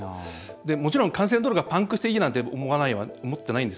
もちろん幹線道路がパンクしているなんて思っていないです